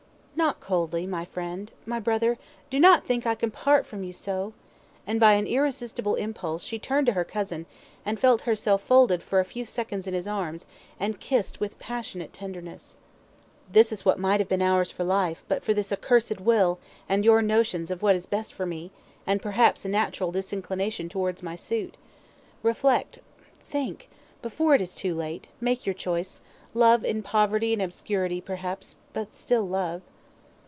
'" "Not coldly, my friend my brother. Do not think I can part from you so," and by an irresistible impulse, she turned to her cousin, and felt herself folded for a few seconds in his arms, and kissed with passionate tenderness. "This is what might have been ours for life, but for this accursed will, and your notions of what is best for me, and perhaps a natural disinclination towards my suit. Reflect think before it is too late make your choice; love in poverty and obscurity, perhaps but still love."